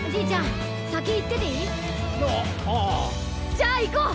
じゃあいこう！